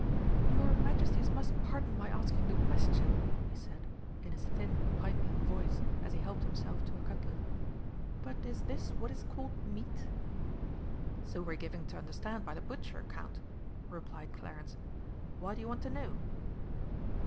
"Your Majesties must pardon my asking the question," he said, in his thin, piping voice, as he helped himself to a cutlet, "but is this what is called meat?" "So we're given to understand by the butcher, Count," replied Clarence. "Why do you want to know?"